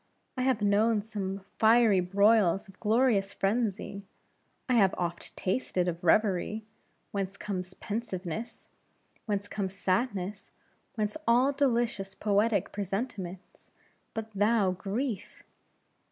I have known some fiery broils of glorious frenzy; I have oft tasted of revery; whence comes pensiveness; whence comes sadness; whence all delicious poetic presentiments; but thou, Grief!